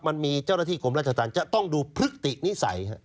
มันมีเจ้าหน้าที่กรมราชธรรมจะต้องดูพฤตินิสัย